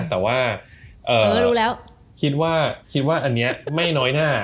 แต่ว่าคิดว่าอันเนียไม่น้อยหน้า